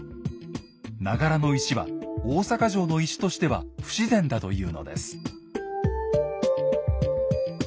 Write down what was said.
長柄の石は大坂城の石としては不自然だというのです。